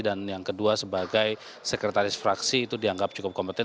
dan yang kedua sebagai sekretaris fraksi itu dianggap cukup kompeten